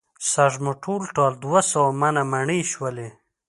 سږ مو ټول ټال دوه سوه منه مڼې شولې.